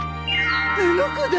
あの子だ！